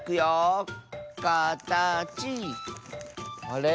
あれ？